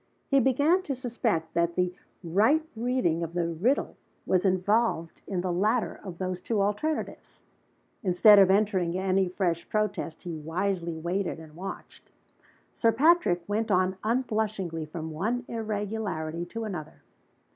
He began to suspect that the right reading of the riddle was involved in the latter of those two alternatives. Instead of entering any fresh protest, he wisely waited and watched. Sir Patrick went on unblushingly from one irregularity to another.